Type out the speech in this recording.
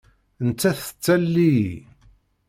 Nettat tettalel-iyi.